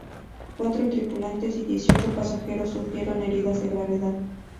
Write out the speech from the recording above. Cuatro tripulantes y dieciocho pasajeros sufrieron heridas de gravedad.